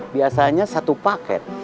biasanya satu paket